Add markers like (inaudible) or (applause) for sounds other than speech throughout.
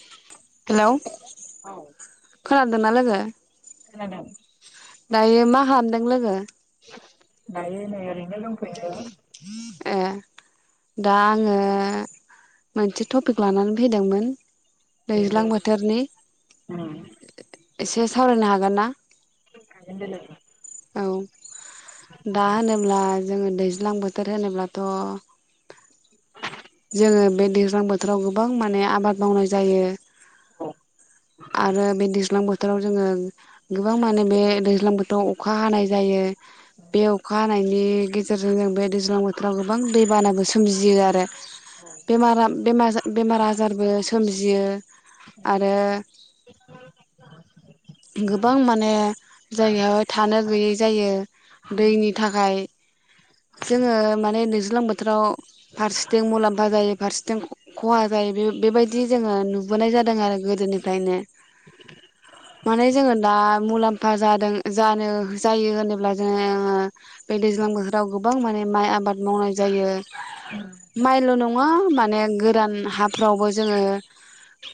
(inaudible) Hello औ खोनदोंना लोगो खोनादों दायो मा हाबदों लोगो दायो नै ओरैनो दं ब (inaudible) ए दा आङो मोनसे टपिक लानानै फैदोंमोन। दैज्लां बोथोरनि जिरायनानै एसे सावरायनो हागोन ना कारेन्ट बेलायाव औ दा होनोब्ला जोङो दैज्लां बोथोर होनोब्लाथ' जोङो बे दैज्लां बोथोराव गोबां माने आबाद मावनाय जायो। औ आरो बे दैज्लां बोथोराव जोङो गोबां माने बे दैज्लां बोथोराव अखा हानाय जायो। बे अखा हानायनि गेजेरजों जों बे दैज्लां बोथोराव गोबां दै बानाबो सोमजियो आरो। बेमार आजारबो सोमजियो आरो गोबां माने जायगायावहाय थानो गैयै जायो दैनि थाखाय जोङो माने दैज्लां बोथोराव फारसेथिं मुलाम्फा जायो फारसेथिं खहा जायो बे बेबायदि जोङो नुबोनाय जादों आरो गोदोनिफ्रायनो। माने जोङो दा मुलाम्फा जादों जानो जायो होनोब्ला जोङो बे दैज्लां बोथोराव गोबां माने माइ आबाद मावनाय जायो। माइल' नङा माने गोरान हाफ्रावबो जोङो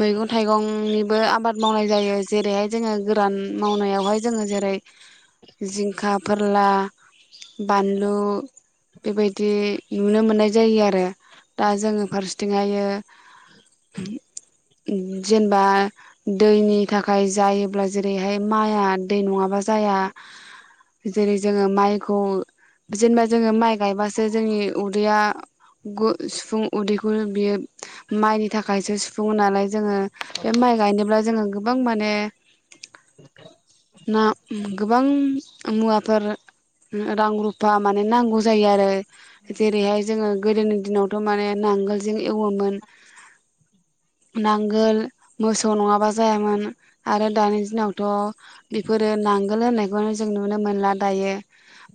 मैगं थाइगंनिबो आबाद मावनाय जायो जेरैहाय जोङो गोरान मावनायावहाय जोङो जेरै जिंखा फोरला बानलु बेबायदि नुनो मोननाय जायो आरो दा जोङो फारसेथिंहायो जेनेबा दैनि थाखाय जायो अब्ला जेरैहाय माइआ दै नङाबा जाया जेरै जोङो माइखौ जेनेबा जोङो माइ गायबासो जोंनि उदैया सुफुं उदैखौ बियो माइनि थाखायसो सुफुङो नालाय जोङो बे माइ गायनोब्ला जोङो गोबां माने ना गोबां मुवाफोर रां रुफा माने नांगौ जायो आरो जेरैहाय जोङो गोदोनि दिनावथ' माने नांगोलजों एवोमोन नांगोल मोसौ नङाबा जायामोन आरो दानि दिनावथ' बेफोरो नांगोल होननायखौनो जों नुनो मोनला दायो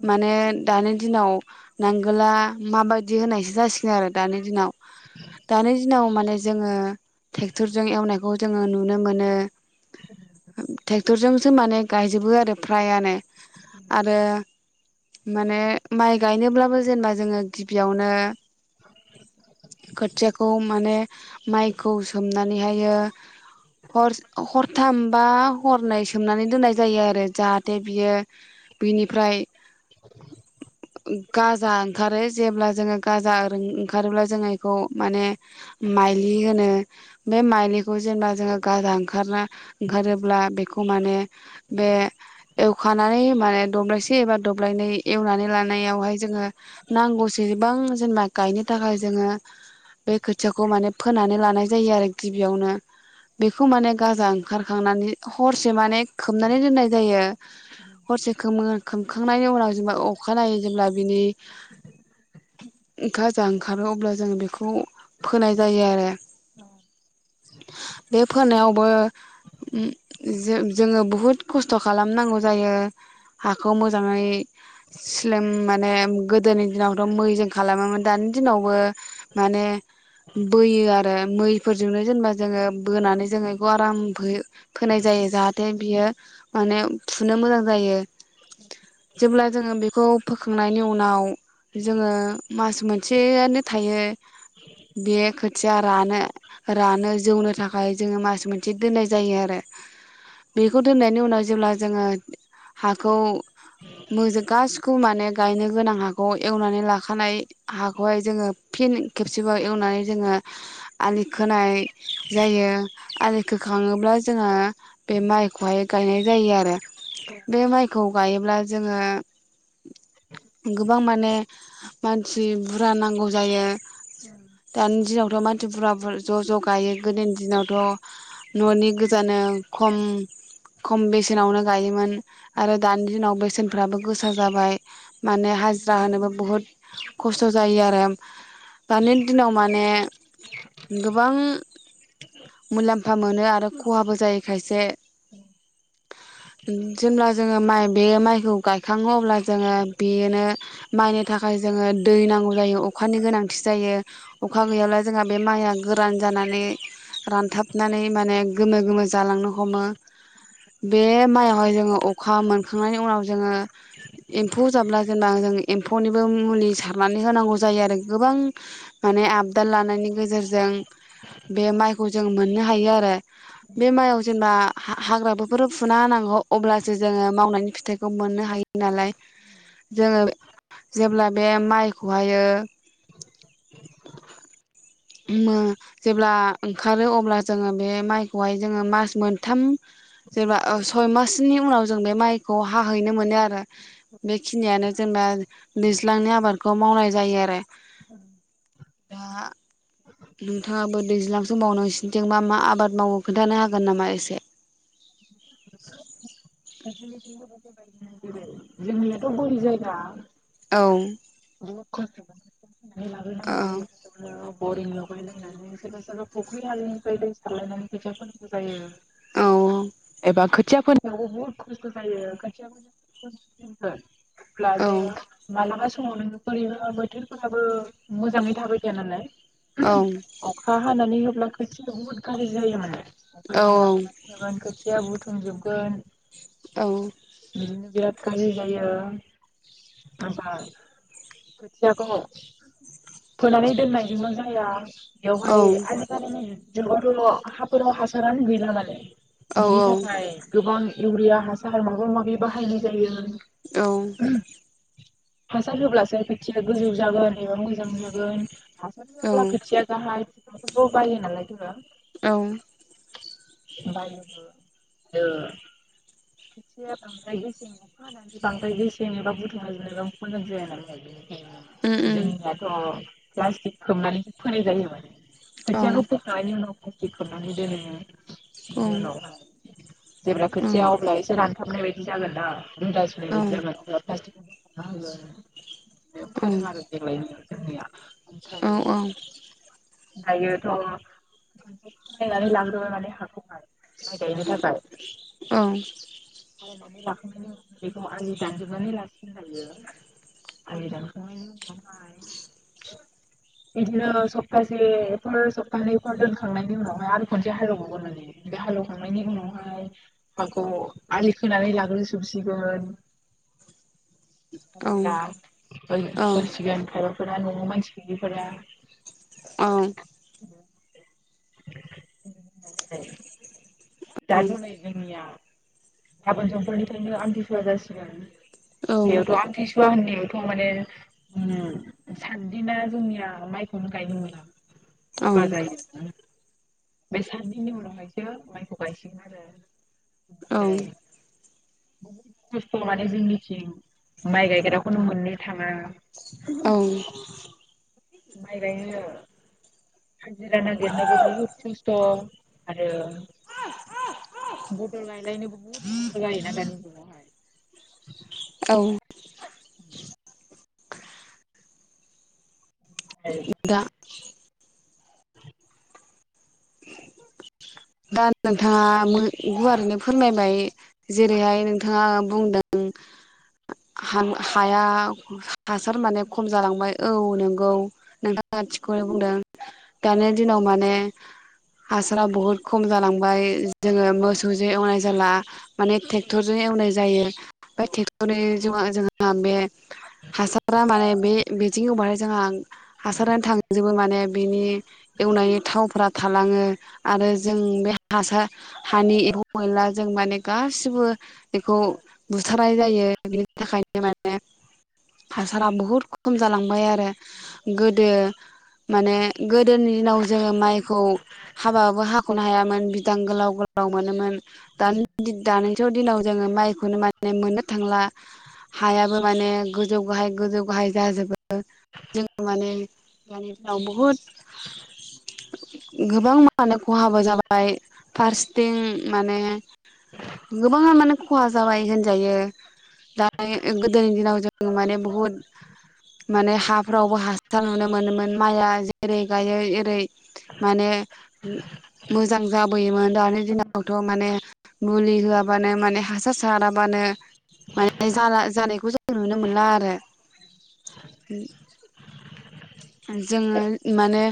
माने दानि दिनाव नांगोला माबायदि होननायसो जासिगोन आरो दानि दिनाव। दानि दिनाव माने जोङो ट्रेक्टरजों एवनायखौ जोङो नुनो मोनो। औ (inaudible) ट्रेक्टरजोंसो माने गायजोबो आरो फ्रायानो। आरो माने माइ गायनोब्लाबो जेनेबा जोङो गिबियावनो खोथियाखौ माने माइखौ सोमनानैहायो हर हरथाम बा हरनै सोमनानै दोननाय जायो आरो जाहाथे बियो बिनिफ्राय (inaudible) गाजा ओंखारो जेब्ला जोङो गाजा ओंखारोब्ला जोङो बेखौ माने माइलि होनो बे माइलिखौ जेनेबा जोङो गाजा ओंखारना ओंखारोब्ला बेखौ माने बे एवखानानै माने दब्लायसे एबा दब्लायनै एवनानै लानायावहाय जोङो नांगौसेबां जेनबा गायनो थाखाय जोङो बे खोथियाखौ माने फोनानै लानाय जायो आरो गिबियावनो बेखौ माने गाजा ओंखारखांनानै हरसे माने खोबनानै दोननाय जायो। हरसे खोमो खोमखांनायनि उनाव जेनेबा अखाानायनायै जेब्ला बिनि गाजा ओंखारो अब्ला जों बेखौ फोनाय जायो आरो। बे फोनायाव बो जोङो बुहुत खस्थ' खालामनांगौ जायो हाखौ मोजाङै सम माने गोदोनि दिनावथ' मैजों खालामोमोन दानि दिनावबो माने बोयो आरो मैफोरजोंनो जेनेबा जोङो बोनानै जोङो बेखौ आराम फोनाय जायो जाहाथे बियो माने फुनो मोजां जायो। जेब्ला जोङो बेखौ फोखांनायनि उनाव जोङो मास मोनसेयानो थायो। बे खोथि या रानो रानो जौनो थाखाय जोङो मास मोनसे दोननाय। जायो आरो बेखौ दोननायनि उनाव जेब्ला जोङो हाखौ मोज गासै खौ माने गायनो गोनां हाखौ एवनानै लाखानाय हाखौहाय जोङो फिन खेबसेबाव एवनानै जोङो आलि खोनाय जायो आलि खोखां थाङोब्ला जोङो बे माइखौहाय गायनाय जायो आरो। बे माइखौ गायोब्ला जोङो गोबां माने मानसि बुरजा नांगौ जायो दानि दिनावथ' मा बुराबुर ज' ज' गायो गोदोनि दिनावथ' न'नि गोजानो खम खम बेसेनावनो गायोमोन आरो दानि दिनाव बेसेनफ्राबो गोसा जाबाय माने हाजिरा होनोबो बुहुद खस्थ' जायो आरो दानि दिनाव माने गोबां मुलाम्फा मोनो आरो खहाबो जायो खायसे जेब्ला जोङो माइ बे माइखौ गायखाङो अब्ला जोङो बेनो माइनि थाखाय जोङो दै नांगौ जायो। अखानि गोनांथि जायो अखा गैयाब्ला जोंहा बे माइआ गोरान जानानै रानथाब हनानै माने गोमो गोमो जालांनो हमो। बे माइयावहाय जोङो अखा मोन खांनायनि उनाव जोङो एम्फौ जाब्ला जेनेबा जों एम्फौनिबो मुलि सारनानै होनांगौ ज जायो आरो गोबां माने आबदाल लानायनि गेजेरजों बे माइखौ जों मोननो हायो आरो बे मायाव जेनेबा हा-हाग्रा बेफोर फुना होनांगौ अब्लासो जोङो मावनायनि फिथाइखौ मोननो हायो नालाय जोङो जेब्ला बे माइखौ हायो मो जेब्ला ओंखारो अब्ला जोङो बे माइखौहाय जोङो मास मोनथाम जेब्ला सय मासनि उनाव जों बे माइखौ हाहैनो मोनो आरो बेखिनियानो जोंबा दैज्लांनि आबादखौ मावनाय जायो आरो। औ। दा नोंथाङाबो दैज्लांसो समाव नोसिनिथिंबा मा आबाद मावो खोन्थानो हागोन नामा एसे। जोंनियाथ' बोरि जायगा। औ (unintelligible) (inaudible) बरिं औ लगाय लायनानै सोरबा सोरबा फुख्रि आरिनिफ्राय दै सारलायनानै खोथिया फोनांगौ जायो। औ। बाख्रि खोथिया फोनायाव बुहुद खस्थ' जायो खोथिया ब्ला औ जों मालाबा सम। समाव नों बोरैबा बोथोरफोराबो मोजाङै थाबाय थाया नालाय। औ अखा हानानै हो (unintelligible) बुहुद गाज्रि जायो माने। औ (unintelligible) सोंजोबगोन। औ। बिराद गाज्रि जायो बा खोथियाखौ फोनानै दोननायजोंल जाया। बेवहाय आजिखालिनि जोंनावथ' न'आव हाफोराव हासारानो गैला माने औ बिनि औ। थाखाय गोबां इउरिया हासार माबा माबि बाहायनाय जायो। औ। हासार होब्लासो खोथिया गोजौ जागोन। एबा मोजां जागोन हासार औ होआब्ला खोथिया गाहाय बेफोरखौ बायो नालाय (unintelligible) औ। बायोबो ओ खोथिया बांद्राय गेसें अखा हानानै बांद्राय गेसें एबा बुथुमा जायोबा। मोजां जाया नालाय (unintelligible) उम ए जोंनियाथ' प्लास्टिक खोबनानैसो फोनाय जायो माने। उम औ खोथियाखौ फोखांनायनि उनाव प्लास्टिक खोबनानै दोनो। औ बेनि उनावहाय जेब्ला खोथिया अब्ला एसे रान खोबनाय बादि जागोना (unintelligible) (unintelligible) औ फोदों आरो देग्लायनो (unintelligible) औ औ दायोथ' खोनसे खोनानै लाग्रोबाय माने हाखौहाय माइ गायनो थाखाय औ बायनानै लाखांनायनि उनावनो बेखौ आलि दानजोबनानै लासिगोन लायो। आलि दानखांनायनि उनाव ओमफाय बिदिनो सप्तासेफोर सप्तानैफोर दोनखांनायनि उनावहाय आरो खनसे हालेव बावगोन माने बे हालौवखांनायनि उनावहाय हाखौ आलि खोनानै लाग्रोजोबसिगोन। औ (unintelligible) फोरा न'आव मानसि गैयिफोरा औ औ (unintelligible) दानो नै जोंनिया गाबोन समफोरनिफ्रायनो आमथि सुवा जासिगोन। बेयाथ आमथि सु हुवा होननायावथ' माने साथदिना जोंनिया माइखौनो गायनो मोना। सुवा जायो। बे सादिननि उनावहायसो माइखौ गायसिगोन आरो। औ ओमफ्राय बहुद खस्थ माने जोंनिथिं माइ गायग्राखौनो मोननो थाङा। औ माइ गायनो हाजिरा नागिरनोबो बुहुद खस्थ' आरो बदल गायलायनो बहुत खस्थ' जायोना दानि जुगावहाय औ ओमफ्राय बेदा (inaudible) दा नोंथाङा गुवारैनो फोरमायबाय जेरैहाय नोंथाङा बुंदों हाया हासार माने खम जालांबाय औ नंगौ नोंथाङा थिखौनो बुंदों दानि दिनाव माने हासारा बहुद खम जालांबाय जोङो मोसौजों एवनाय जाला माने ट्रेक्टरजों एवनाय जायो। (unintelligible) जोंहा बे हासारा माने बे बिदि एवबहाय जोंहा हासारानो थांजोबो माने बेनि एवनायनि थावफोरा थालाङो आरो। जों बे हासार हानि एव मयला जों माने गासिबो बेखौ बुथारनाय जायो बेनि थाखायनो माने हासारा बहुद खम जालांबाय आरो गोदो माने गोदोनि दिनाव जोङो माइखौ हाबाबो हा खनो हायामोन बिदां गोलाव गोलाव मोनोमोन दानिथ' दिनाव जोङो माइखौनो मान मोननो थांला हायाबो माने गोजौ गाहाय गोजौ गाहाय जाजोबो जों माने दानि दिनाव बुहुद गोबां माने खहाबो जाबाय फार्स्थिं माने गोबाङा माने खहा जाबाय होनजायो दा गोदोनि दिनाव जों माने बुहुद माने हाफ्रावबो हासार नुनो मोनोमोन माइआ जेरै गायो एओरै माने मोजां जाबोयोमोन दानि औ दिनावथ' माने मुलि होआबानो माने हासार साराबानो माने जानायखौ जों नुनो मोनला आरो। जोङो माने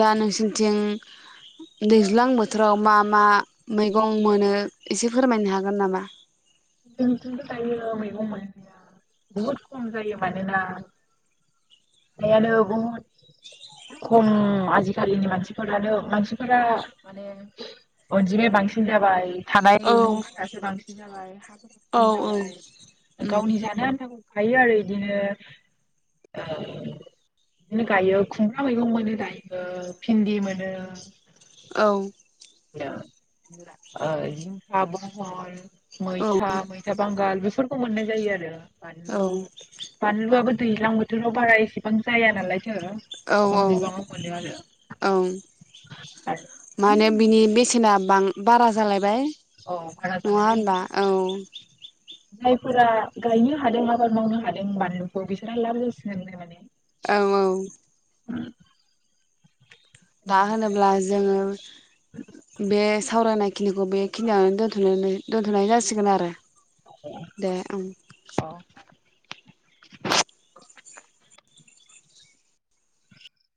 दा नोंसोरनिथिं दैज्लां बोथोराव मा मा मैगं मोनो एसे फोरमायनो हागोन नामा? जोंनिथिंबो दायो मैगं मोनलिया बहुत खम जायो मानोना हायानो बहुद खम आजिखालिनि मानसिफोरानो मानसिफोरा माने अनजिमाया बांसिन जाबाय थानाय औ न'स्थायायासो बांसिन जाबाय औ खम जाबाय गावनि जानो आनथा गायो आरो इदिनो ओ बिदिनो गायो खुमब्रा मैगं मोनो गायो भिन्दि मोनो औ। ओ जिंखा ब'हल औ मैथा मैथा बांगाल बेफोर खौ मोननाय जायो आरो फानलु बानलुआबो दैज्लां बोथोराव बारा एसेबां जाया नालाय औ खम औ बिबाङाव मोनो आरो औ ना बां बारा जालायबाय औ बारा नङा जानायलाय बेनि होनबा? औ। बेसेना जायफोरा गायनो हादों आबाद मावनो हादों बानलुखौ बिसोरहा लाब जासिगोनलाय माने। औ औ। (unintelligible) दा बिनिफ्राय होनोब्ला जोङो बे सावरायनाय खिनिखौ बे खिनियावनो दोनथ'नानै दोनथ'नाय जासिगोन आरो। दे ओं। औ